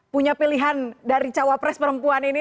punya pilihan dari cawapres perempuan ini